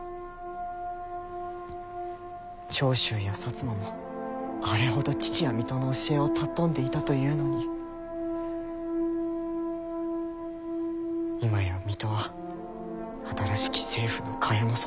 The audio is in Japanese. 長州や摩もあれほど父や水戸の教えを尊んでいたというのに今や水戸は新しき政府の蚊帳の外。